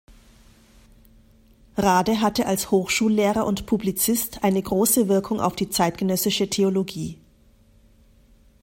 Rade hatte als Hochschullehrer und Publizist eine große Wirkung auf die zeitgenössische Theologie.